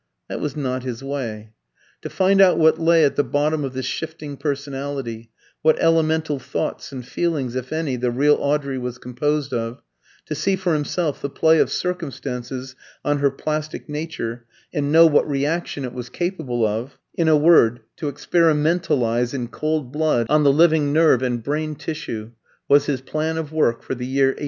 That was not his way. To find out what lay at the bottom of this shifting personality, what elemental thoughts and feelings, if any, the real Audrey was composed of; to see for himself the play of circumstances on her plastic nature, and know what reaction it was capable of in a word, to experimentalise in cold blood on the living nerve and brain tissue, was his plan of work for the year 1896.